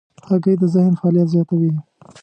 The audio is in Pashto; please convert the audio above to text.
هګۍ د ذهن فعالیت زیاتوي.